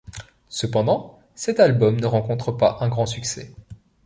Cependant cet album ne rencontre pas un grand succès.